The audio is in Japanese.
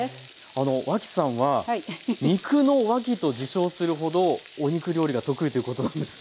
あの脇さんは「肉の脇」と自称するほどお肉料理が得意ということなんですね。